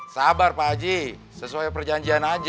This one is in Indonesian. sabar pak haji sesuai perjanjian aja